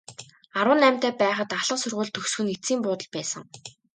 Арван наймтай байхад ахлах сургууль төгсөх нь эцсийн буудал байсан.